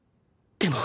でも